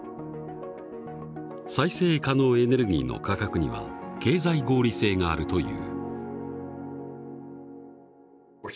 再生可能エネルギーの価格には経済合理性があるという。